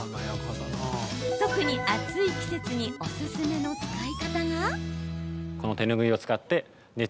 特に暑い季節におすすめの使い方が。